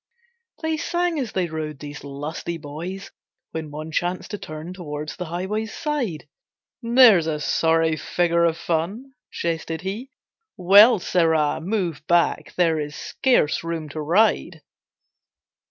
They sang as they rode, these lusty boys, When one chanced to turn toward the highway's side, "There's a sorry figure of fun," jested he, "Well, Sirrah! move back, there is scarce room to ride."